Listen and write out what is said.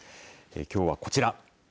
きょうはこちら。